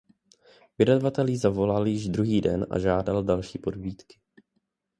Vydavatel jí zavolal již druhý den a žádal další povídky.